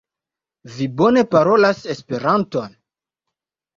Vi bone parolas Esperanton.